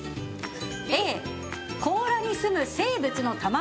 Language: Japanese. Ａ、甲羅にすむ生物の卵。